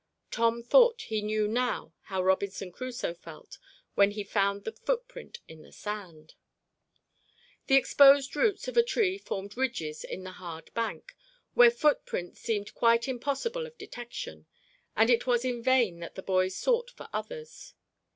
Tom thought he knew now how Robinson Crusoe felt when he found the footprint in the sand. The exposed roots of a tree formed ridges in the hard bank, where footprints seemed quite impossible of detection, and it was in vain that the boys sought for others.